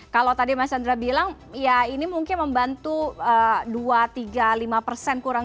kalau tadi mas chandra bilang ya ini mungkin membantu dua tiga lima persen kurang